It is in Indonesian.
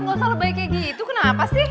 gak usah lo baik kayak gitu kenapa sih